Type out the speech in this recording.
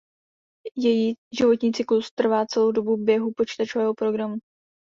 Její životní cyklus trvá celou dobu běhu počítačového programu.